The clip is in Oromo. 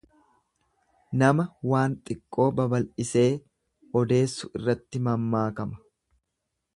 Nama waan xiqqoo babal'isee odeessu irratti mammaakama.